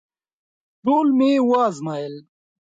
ټوله مي وازمایل …